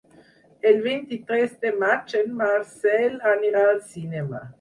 El vint-i-tres de maig en Marcel anirà al cinema.